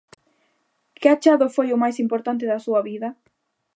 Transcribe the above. Que achado foi o máis importante da súa vida?